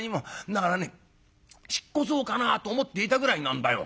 だからね引っ越そうかなと思っていたぐらいなんだよ。